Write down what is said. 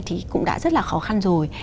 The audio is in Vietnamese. thì cũng đã rất là khó khăn rồi